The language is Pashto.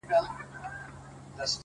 ورځه وريځي نه جــلا ســـولـه نـــن’